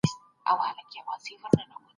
تولید په تیرو وختونو کي کم وو.